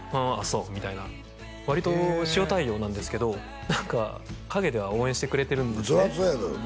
そうみたいな割と塩対応なんですけど何か陰では応援してくれてるんですね